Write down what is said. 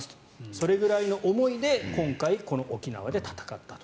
それぐらいの思いで今回この沖縄で戦ったと。